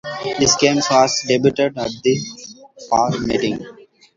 These games were deducted at the fall meeting.